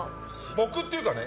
僕っていうかね